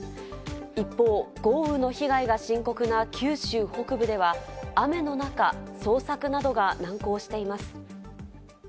一方、豪雨の被害が深刻な九州北部では、雨の中、捜索などが難航しています。